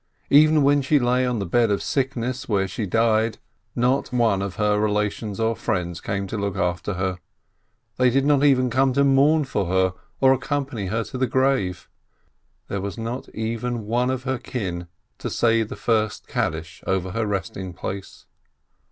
Even when she lay on the bed of sickness where she died, not one of her relations or friends came to look after her; they did not even come to mourn for her or ac company her to the grave. There was not even one of her kin to say the first Kaddish over her resting place.